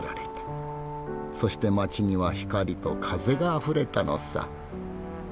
そして街には光と風があふれたのさ。